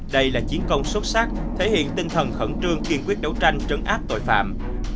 đây là chiến công xuất sắc thể hiện tinh thần khẩn trương kiên quyết đấu tranh trấn áp tội phạm